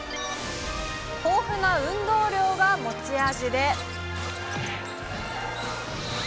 豊富な運動量が持ち味で。